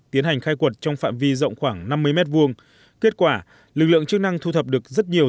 tiến hành khai quật trong phạm vi rộng khoảng năm mươi m hai kết quả lực lượng chức năng thu thập được rất nhiều